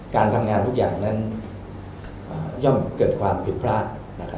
การทำงานทุกอย่างนั้นย่อมเกิดความผิดพลาด